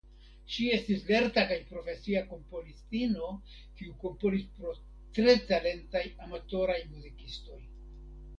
Ŝi estis lerta kaj profesia komponistino kiu komponis por tre talentaj amatoraj muzikistoj.